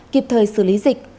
kịp thời xử lý dịch